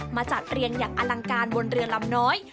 มาจัดเรียนอย่างอลังการบนเรือลำน้อย